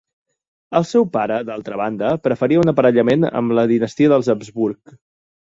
El seu pare, d'altra banda, preferia un aparellament amb la dinastia dels Habsburg.